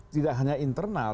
tidak hanya internal